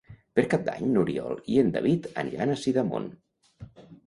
Per Cap d'Any n'Oriol i en David aniran a Sidamon.